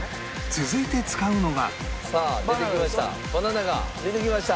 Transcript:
続いて使うのがさあ出てきました